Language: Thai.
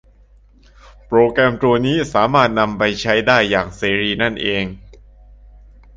โปรแกรมตัวนี้สามารถนำไปใช้ได้อย่างเสรีนั้นเอง